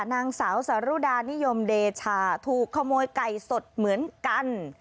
นางสาวสารุดานิยมเดชาถูกขโมยไก่สดเหมือนกัน